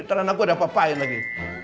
karena gue udah apa apain lagi